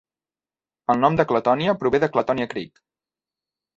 El nom de Clatonia prové de Clatonia Creek.